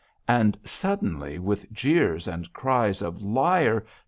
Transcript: And suddenly, with jeers and cries of 'Liar!'